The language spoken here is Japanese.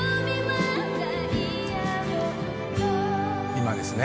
今ですね。